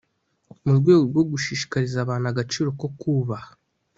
mu rwego rwo gushishikariza abantu agaciro ko kubaha